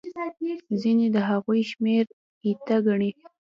ځینې د هغوی شمېر ایته ګڼي.